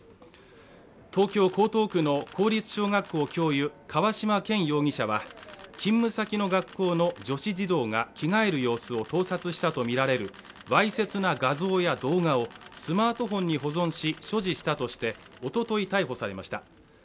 東京・江東区の公立小学校教諭河嶌健容疑者は勤務先の学校の女子児童が着替える様子を盗撮したと見られるわいせつな画像や動画をスマートフォンに保存し、所持したとしておととい、逮捕されました。